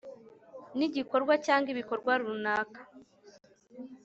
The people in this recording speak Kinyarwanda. n igikorwa cyangwa ibikorwa runaka